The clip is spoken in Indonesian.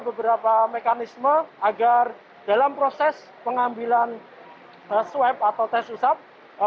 beberapa mekanisme agar dalam proses pengambilan swab atau tes usap